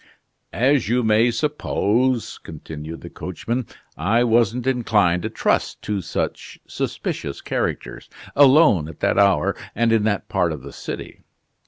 "As you may suppose," continued the coachman, "I wasn't inclined to trust two such suspicious characters, alone at that hour and in that part of the city.